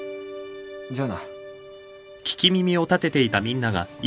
じゃあな。